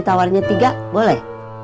tawarnya tiga boleh